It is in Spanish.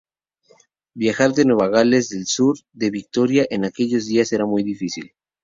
Viajar de Nueva Gales del Sur de Victoria en aquellos días era muy difícil.